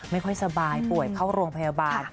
ไม่ค่อยสบายป่วยเข้าโรงพยาบาล